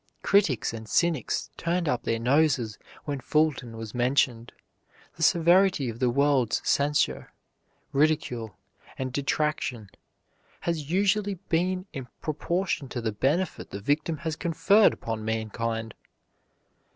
Critics and cynics turned up their noses when Fulton was mentioned. The severity of the world's censure, ridicule, and detraction has usually been in proportion to the benefit the victim has conferred upon mankind.